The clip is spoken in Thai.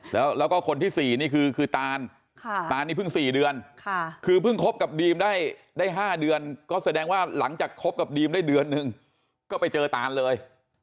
แล้วก็คนที่๔นี่คือตานตานนี่เพิ่ง๔เดือนคือเพิ่งคบกับดีมได้๕เดือนก็แสดงว่าหลังจากคบกับดีมได้เดือนนึงก็ไปเจอตานเลย